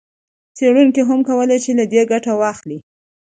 څېړونکي هم کولای شي له دې ګټه واخلي.